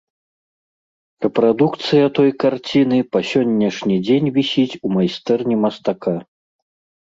Рэпрадукцыя той карціны па сённяшні дзень вісіць у майстэрні мастака.